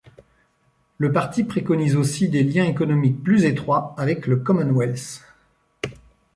Le parti préconise aussi des liens économiques plus étroits avec le Commonwealth.